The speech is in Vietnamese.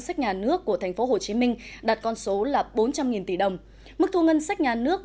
sách nhà nước của thành phố hồ chí minh đạt con số là bốn trăm linh tỷ đồng mức thu ngân sách nhà nước